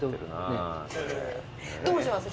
どうします？